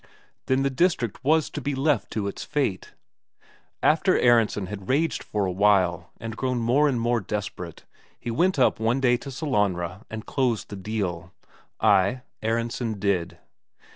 Then the district was to be left to its fate? After Aronsen had raged for a while, and grown more and more desperate, he went up one day to Sellanraa and closed the deal. Ay, Aronsen did.